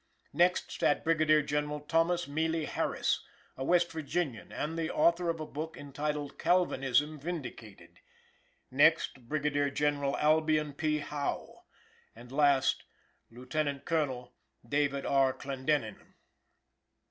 Next sat Brigadier General Thomas Mealey Harris, a West Virginian, and the author of a book entitled "Calvinism Vindicated;" next, Brigadier General Albion P. Howe, and last, Lieutenant Colonel David R. Clendenin.